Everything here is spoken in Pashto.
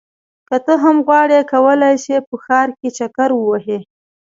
که ته هم غواړې کولی شې په ښار کې چکر ووهې.